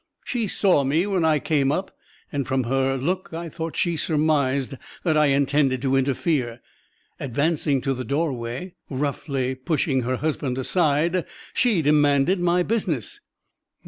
She saw me when I came up, and from her look I thought she surmised that I intended to interfere. Advancing to the doorway roughly pushing her husband aside she demanded my business.